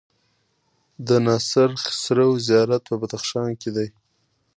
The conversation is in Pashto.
د ناصر خسرو زيارت په بدخشان کی دی